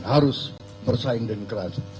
harus bersaing dengan keras